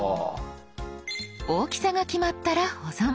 大きさが決まったら保存。